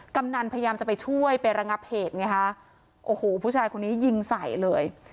กำนันพยายามจะไปช่วยไประงับเหตุไงฮะโอ้โหผู้ชายคนนี้ยิงใส่เลย